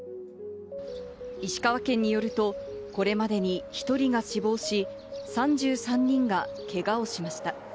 石川県によると、これまでに１人が死亡し、３３人がけがをしました。